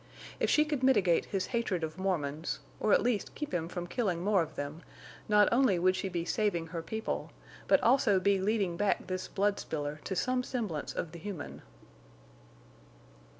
If she could mitigate his hatred of Mormons, or at least keep him from killing more of them, not only would she be saving her people, but also be leading back this bloodspiller to some semblance of the human.